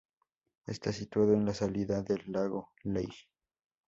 Está situado en la salida del lago Leigh.